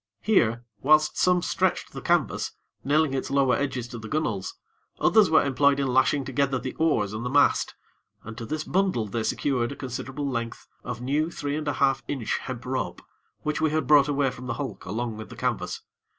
Here, whilst some stretched the canvas, nailing its lower edges to the gunnels, others were employed in lashing together the oars and the mast, and to this bundle they secured a considerable length of new three and a half inch hemp rope, which we had brought away from the hulk along with the canvas.